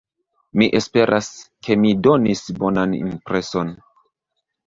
Mi esperas, ke mi donis bonan impreson.